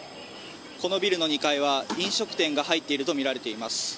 このビルの２階は飲食店が入っているとみられています。